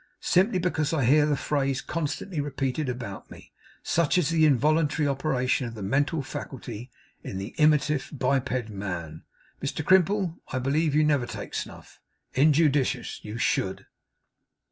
Simply because I hear the phrase constantly repeated about me. Such is the involuntary operation of the mental faculty in the imitative biped man. Mr Crimple, I believe you never take snuff? Injudicious. You should.